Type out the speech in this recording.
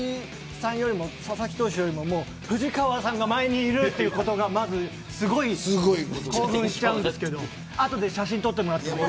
佐々木投手よりも藤川さんが前にいることがすごい興奮しちゃうんですけれど後で写真撮ってもらっても。